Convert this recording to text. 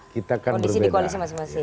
kondisi di koalisi masing masing